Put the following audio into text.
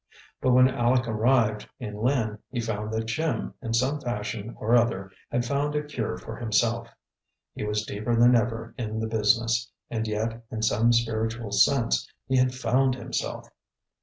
But when Aleck arrived in Lynn he found that Jim, in some fashion or other, had found a cure for himself. He was deeper than ever in the business, and yet, in some spiritual sense, he had found himself.